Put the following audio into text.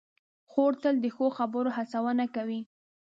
خور تل د ښو خبرو هڅونه کوي.